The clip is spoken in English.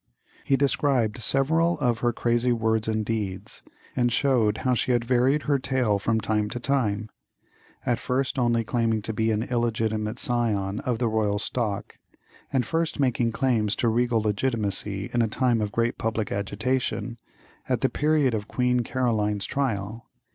He described several of her crazy words and deeds, and showed how she had varied her tale from time to time; at first only claiming to be an illegitimate scion of the royal stock, and first making claims to regal legitimacy in a time of great public agitation at the period of Queen Caroline's trial.